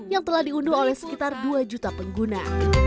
yang telah diunduh oleh sekitar dua juta pengguna